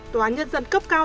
tòa án nhân dân cấp cao